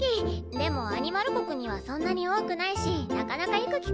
でもアニマル国にはそんなに多くないしなかなか行く機会もなくて。